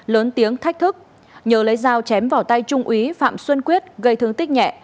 lớn tiếng thách thức nhờ lấy dao chém vào tay trung úy phạm xuân quyết gây thương tích nhẹ